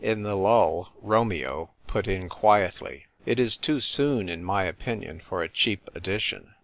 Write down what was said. In the lull, Romeo put in quietly, " It is too soon, in my opinion, for a cheap edition."